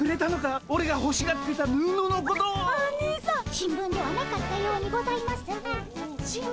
新聞ではなかったようにございますが。